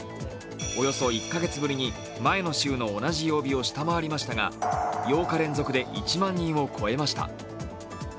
およそ１カ月ぶりに前の週の同じ曜日を下回りましたが８日連続で１万人を超えました。